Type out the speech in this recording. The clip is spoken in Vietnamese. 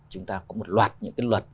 chúng ta có một loạt những cái luật